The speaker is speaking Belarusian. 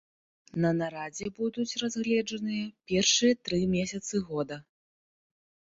На нарадзе будуць разгледжаныя першыя тры месяцы года.